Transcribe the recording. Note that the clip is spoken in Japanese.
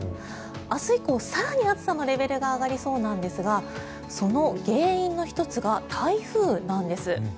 明日以降、更に暑さのレベルが上がりそうなんですがその原因の１つが台風なんです。